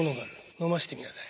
のませてみなさい。